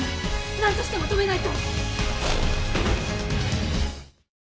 なんとしても止めないと！